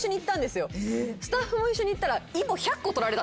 スタッフも一緒に行ったら。